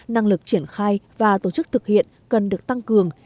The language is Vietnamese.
năng lực triển khai và tổ chức thực hiện cần được tăng cường